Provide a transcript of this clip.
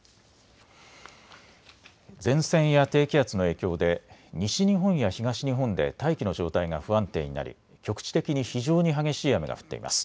前線や低気圧の影響で西日本や東日本で大気の状態が不安定になり局地的に非常に激しい雨が降っています。